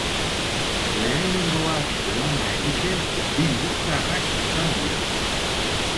Lehenengoak lana egiten bilbotarrak izan dira.